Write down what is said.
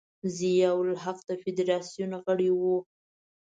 ضیا الحق د فدراسیون غړی و.